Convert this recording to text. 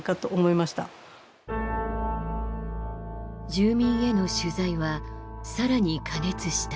住民への取材はさらに過熱した。